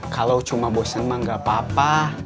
kalau cuma bosen mah gak apa apa